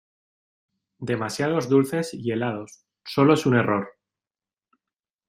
Demasiados dulces y helados. Sólo es un error .